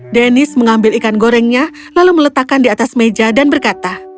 dennis mengambil ikan gorengnya lalu meletakkan di atas meja dan berkata